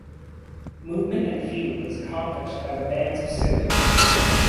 Movement and feeding is accomplished by the bands of cilia.